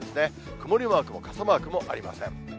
曇りマークも傘マークもありません。